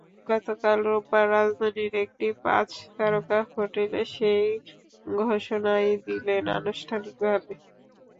গতকাল রোববার রাজধানীর একটি পাঁচ তারকা হোটেলে সেই ঘোষণাই দিলেন আনুষ্ঠানিকভাবে।